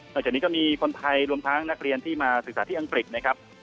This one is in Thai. จากนี้ก็มีคนไทยรวมทั้งนักเรียนที่มาศึกษาที่อังกฤษนะครับ